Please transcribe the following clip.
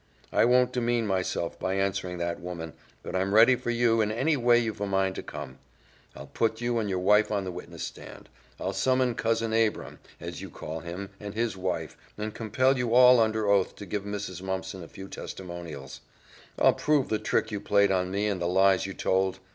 I won't demean myself by answering that woman, but I'm ready for you in any way you've a mind to come. I'll put you and your wife on the witness stand. I'll summon Cousin Abram, as you call him, and his wife, and compel you all under oath to give Mrs. Mumpson a few testimonials. I'll prove the trick you played on me and the lies you told.